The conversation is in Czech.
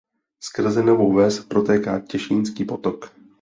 Skrze Novou Ves protéká Těšínský potok.